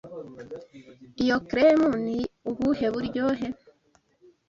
Iyo cream ni ubuhe buryohe?